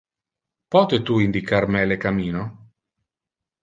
Pote tu indicar me le cammino?